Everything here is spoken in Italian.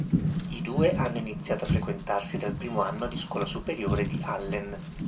I due hanno iniziato a frequentarsi dal primo anno di scuola superiore di Allen.